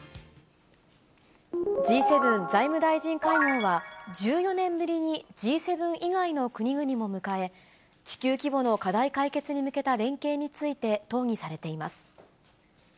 Ｇ７財務大臣会合は、１４年ぶりにＧ７以外の国々も迎え、地球規模の課題解決に向けた連携について討議されています。